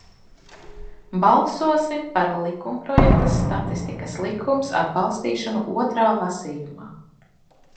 "Balsosim par likumprojekta "Statistikas likums" atbalstīšanu otrajā lasījumā!"